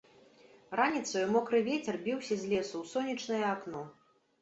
Раніцаю мокры вецер біўся з лесу ў сонечнае акно.